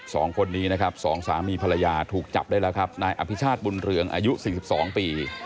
สองคนนี้นะครับสองสามีภรรยาถูกจับได้แล้วครับนายอภิชาติบุญเรืองอายุสี่สิบสองปี